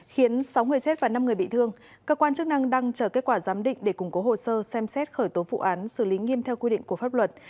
khiến sáu người chết và năm người bị thương cơ quan chức năng đang chờ kết quả giám định để củng cố hồ sơ xem xét khởi tố vụ án xử lý nghiêm theo quy định của pháp luật